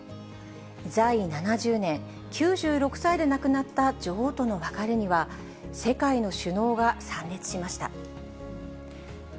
在位７０年、９６歳で亡くなった女王との別れには、世界の首脳が参列しました。